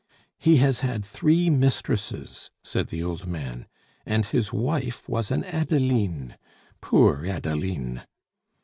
"He has had three mistresses," said the old man, "and his wife was an Adeline! Poor Adeline!"